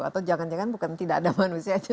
atau jangan jangan bukan tidak ada manusianya